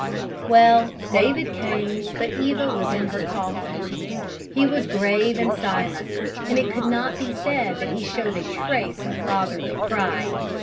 Well, David came, but Eva was in her coffin. He was grave and silent, and it could not be said that he showed a trace of fatherly pride.